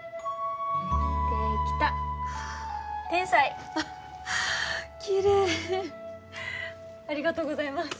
でーきた天才きれいありがとうございます